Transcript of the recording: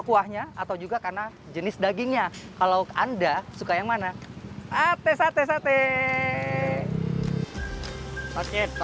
buahnya atau juga karena jenis dagingnya kalau anda suka yang mana ates ates ates